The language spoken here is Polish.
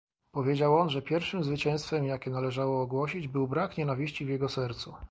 Powiedział on, że pierwszym zwycięstwem, jakie należało ogłosić, był brak nienawiści w jego sercu